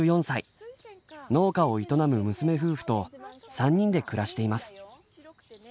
農家を営む娘夫婦と３人で暮らしています。